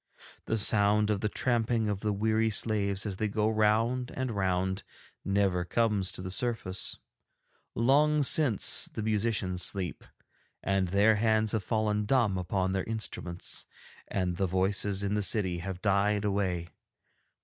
The sound of the tramping of the weary slaves as they go round and round never comes to the surface. Long since the musicians sleep, and their hands have fallen dumb upon their instruments, and the voices in the city have died away.